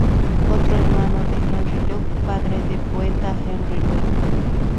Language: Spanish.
Otro hermano fue Henry Lok, padre del poeta Henry Lok.